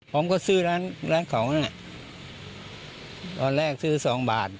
ผมก็ซื้อร้านร้านเขานั่นน่ะตอนแรกซื้อสองบาท